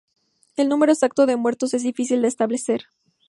El número exacto de muertos es difícil de establecer.